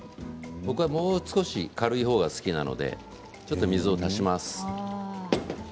僕はもう少し軽い方が好きなのでちょっと水を足します。